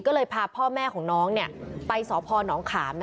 ก็เลยพาพ่อแม่ของน้องไปสพนขาม